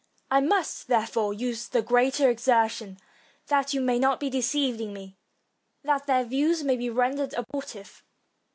I must, there fore, use the greater exertion, that you may not be deceived in me, and that their views may be rendered abortive.